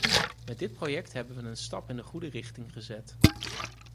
Met dit project hebben we een stap in de goede richting gezet.